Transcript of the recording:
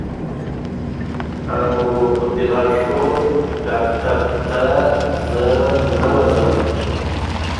Don McPherson, who had suddenly taken ill with leukemia, died unexpectedly.